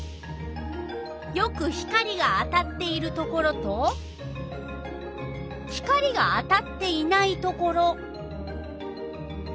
よく光が当たっているところと光が当たっていないところ。